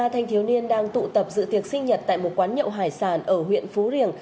ba thanh thiếu niên đang tụ tập dự tiệc sinh nhật tại một quán nhậu hải sản ở huyện phú riềng